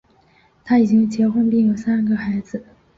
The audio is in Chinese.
他已经结婚并有三个孩子。